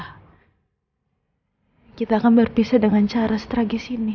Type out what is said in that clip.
ayo kita akan berpisah dengan cara stragesi nih